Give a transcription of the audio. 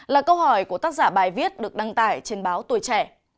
là câu hỏi của tác giả bài viết được đăng tải trên báo tuổi trẻ